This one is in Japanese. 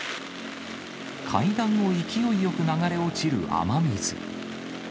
階段を勢いよく流れ落ちる雨水。